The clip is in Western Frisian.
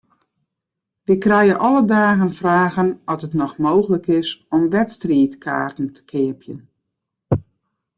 Wy krije alle dagen fragen oft it noch mooglik is om wedstriidkaarten te keapjen.